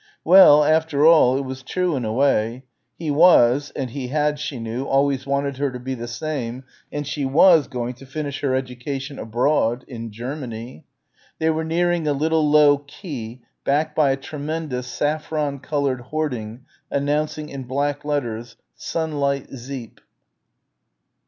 Well, after all, it was true in a way. He was and he had, she knew, always wanted her to be the same and she was going to finish her education abroad ... in Germany.... They were nearing a little low quay backed by a tremendous saffron coloured hoarding announcing in black letters "Sunlight Zeep."